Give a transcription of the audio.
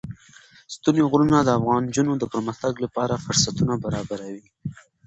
ستوني غرونه د افغان نجونو د پرمختګ لپاره فرصتونه برابروي.